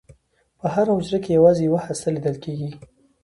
په هره حجره کې یوازې یوه هسته لیدل کېږي.